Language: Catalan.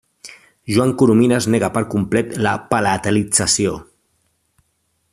Joan Coromines nega per complet la palatalització.